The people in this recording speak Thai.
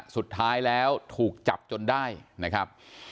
สุดท้ายแล้วถูกจับจนได้นะครับ